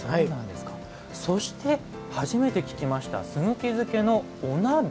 そして、初めて聞きましたすぐき漬けのお鍋。